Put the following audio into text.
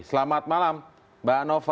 selamat malam mbak nova